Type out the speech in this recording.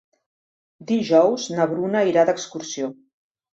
Dijous na Bruna irà d'excursió.